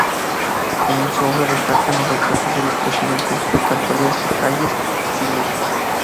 En su obra destacan los retratos de los presidentes Plutarco Elías Calles y Lic.